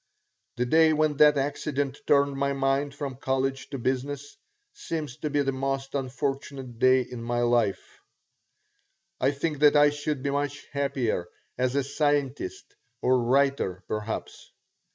The day when that accident turned my mind from college to business seems to be the most unfortunate day in my life. I think that I should be much happier as a scientist or writer, perhaps.